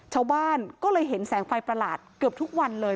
ชาวบ้านก็เลยเห็นแสงไฟประหลาดเกือบทุกวันเลย